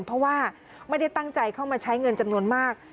เพราะว่าไม่ได้ตั้งใจเข้ามาใช้เงินจำนวนมาก